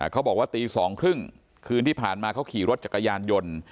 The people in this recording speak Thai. เขาบอกว่าตี๒๓๐คืนที่ผ่านมาเขาขี่รถจักรยานยนต์